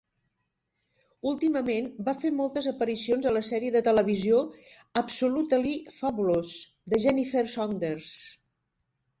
Últimament, va fer moltes aparicions a la sèrie de televisió "Absolutely Fabulous" de Jennifer Saunders.